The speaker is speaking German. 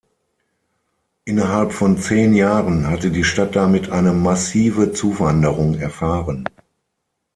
Innerhalb von zehn Jahren hatte die Stadt damit eine massive Zuwanderung erfahren.